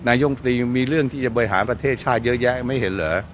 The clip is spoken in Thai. นายมตรีมีเรื่องที่จะบริหารประเทศชาติเยอะแยะไม่เห็นเหรอ